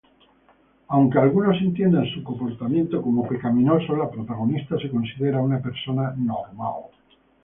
Aunque algunos entiendan su comportamiento como pecaminoso, la protagonista se considera una persona "normal".